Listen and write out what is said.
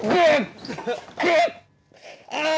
ああ！